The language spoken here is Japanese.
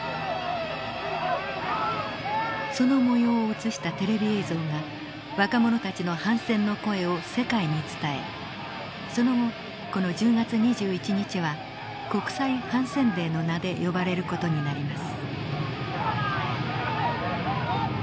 そのもようを映したテレビ映像が若者たちの反戦の声を世界に伝えその後この１０月２１日は国際反戦デーの名で呼ばれる事になります。